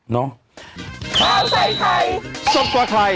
น้อง